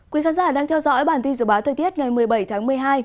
quý khán giả đang theo dõi bản tin dự báo thời tiết ngày một mươi bảy tháng một mươi hai